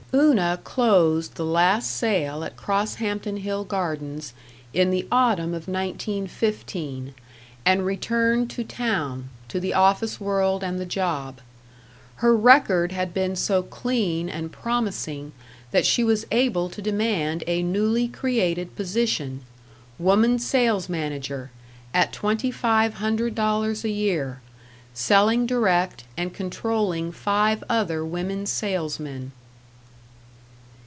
Una closed the last sale at Crosshampton Hill Gardens in the autumn of 1915, and returned to town, to the office world and the job. Her record had been so clean and promising that she was able to demand a newly created position woman sales manager, at twenty five hundred dollars a year, selling direct and controlling five other women salesmen.